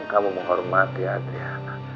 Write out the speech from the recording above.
kamu menghormati adriana